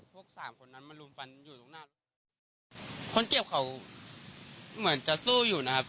พวกสามคนนั้นมารุมฟันอยู่ตรงหน้ารถคนเจ็บเขาเหมือนจะสู้อยู่นะครับ